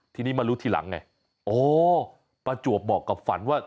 ทีนี้มารู้ทีหลังไงอ๋อประจวบบอกกับฝันว่า